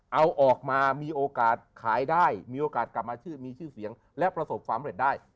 เอาออกมามีโอกาสขายได้มีโอกาสกลับมามีชื่อเสียงและประสบความเร็จได้